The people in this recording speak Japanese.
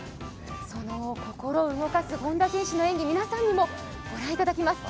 その心動かす本田選手の動きを皆さんにもご覧いただきます。